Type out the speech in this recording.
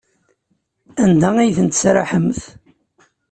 Anda ay tent-tesraḥemt?